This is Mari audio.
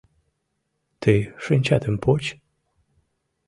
— Тый шинчатым поч!